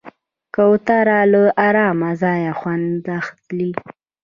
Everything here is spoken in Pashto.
کوتره له آرامه ځایه خوند اخلي.